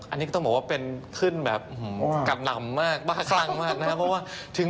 อันนี้คุณก็ต้องบอกว่าเป็นขึ้นแบบกัดหนำมากบ้าง